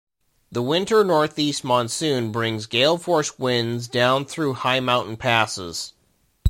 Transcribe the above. The winter northeast monsoon brings gale-force winds down through high mountain passes.